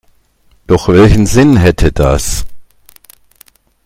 Doch welchen Sinn hätte das?